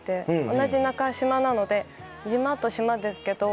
同じ「中島」なので「じま」と「しま」ですけど。